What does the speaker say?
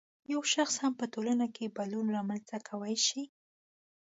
یو شخص هم په ټولنه کې بدلون رامنځته کولای شي.